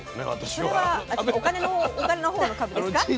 それはお金のほうの株ですか？